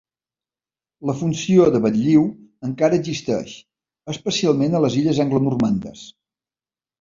La funció de batlliu encara existeix, especialment a les illes Anglonormandes.